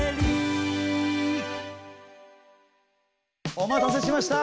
お待たせしました。